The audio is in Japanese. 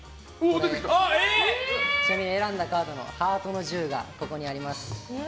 ちなみに選んだカードのハートの１０がここにあります。